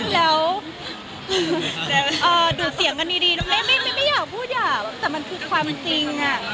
แล้วดูดเสียงกันดีไม่อยากพูดหยาบแต่มันคือความเป็นจริง